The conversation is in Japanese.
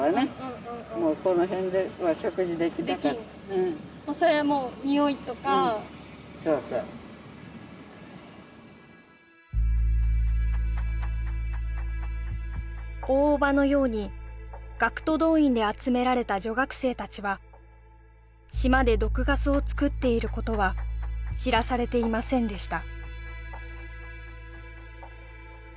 うんもうそれはもう臭いとかうんそうそう大伯母のように学徒動員で集められた女学生たちは島で毒ガスをつくっていることは知らされていませんでした